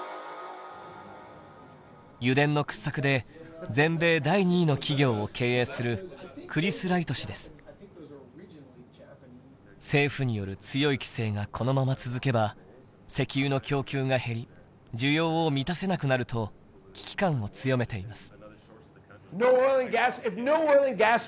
油田の掘削で全米第２位の企業を経営する政府による強い規制がこのまま続けば石油の供給が減り需要を満たせなくなると危機感を強めています。